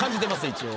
一応。